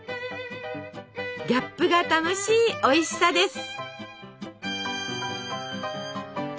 ギャップが楽しいおいしさです。